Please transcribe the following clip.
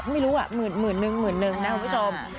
ไม่รู้อ่ะหมื่นนึงนะคุณผู้ชม